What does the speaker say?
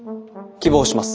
希望します。